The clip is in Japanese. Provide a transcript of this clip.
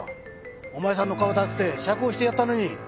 お前さんの顔立てて釈放してやったのに。